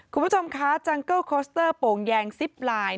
คุณผู้ชมจังเกิ้ลโคสเตอร์โปเองซิพลายน